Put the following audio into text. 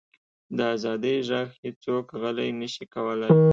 د ازادۍ ږغ هیڅوک غلی نه شي کولی.